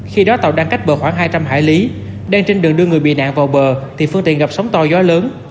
khi đó tàu đang cách bờ khoảng hai trăm linh hải lý đang trên đường đưa người bị nạn vào bờ thì phương tiện gặp sóng to gió lớn